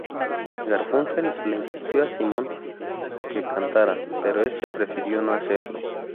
Garfunkel le insistió a Simon que cantara, pero este prefirió no hacerlo.